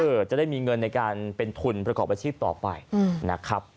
จะได้มีเงินในการเป็นทุนประกอบอาชีพต่อไปนะครับ